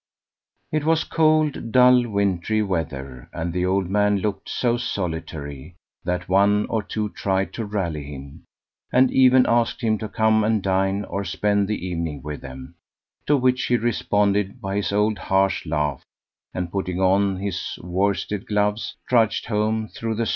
It was cold dull wintry weather, and the old man looked so solitary, that one or two tried to rally him, and even asked him to come and dine or spend the evening with them, to which he responded by his old harsh laugh, and putting on his worsted gloves, trudged home through the snow.